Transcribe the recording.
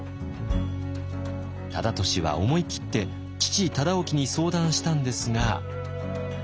忠利は思い切って父忠興に相談したんですが。